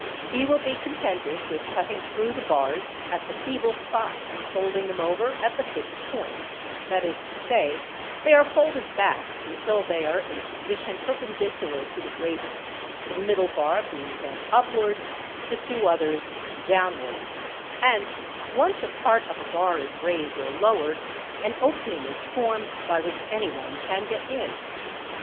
He will be contented with cutting through the bars at the feeble spots and folding them over at the fixed y) point, that is to say, they are folded back until they are in a position _ perpendicular to the grating, the middle bar being bent upwards, the two others downwards: and once a part of a bar is raised or lowered an opening is formed by which any one can get in.